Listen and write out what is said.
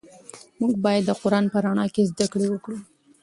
موږ باید د قرآن په رڼا کې زده کړې وکړو.